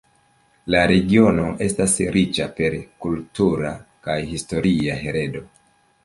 La regiono estas riĉa per kultura kaj historia heredo.